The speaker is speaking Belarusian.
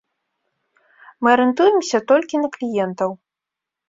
Мы арыентуемся толькі на кліентаў.